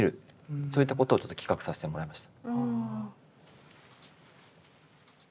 そういったことをちょっと企画させてもらいました。